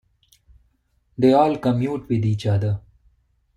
They all commute with each other.